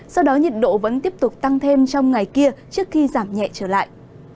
sau đó nhiệt độ vẫn tiếp tục tăng thêm trong ngày kia trước khi giảm nhẹ trở lại